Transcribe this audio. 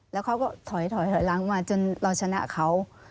แล้วเขาก็ถอยหลังมาจนเราชนะเขา